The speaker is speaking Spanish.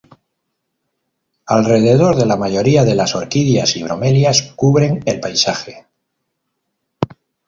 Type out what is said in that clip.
Alrededor de la mayoría de las orquídeas y bromelias cubren el paisaje.